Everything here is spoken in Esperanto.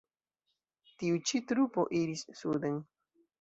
Tiu ĉi trupo iris suden.